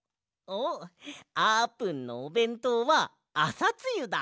おっあーぷんのおべんとうはあさつゆだ！